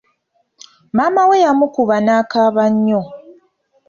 Maama we yamukuba n'akaaba nnyo.